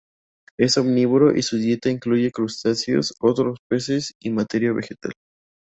Es omnívoro y su dieta incluye crustáceos, otros peces y materia vegetal.